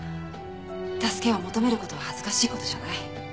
助けを求める事は恥ずかしい事じゃない。